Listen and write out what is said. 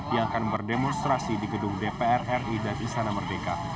yang akan berdemonstrasi di gedung dpr ri dan istana merdeka